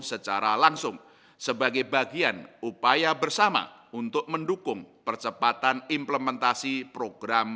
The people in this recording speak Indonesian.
secara langsung sebagai bagian upaya bersama untuk mendukung percepatan implementasi program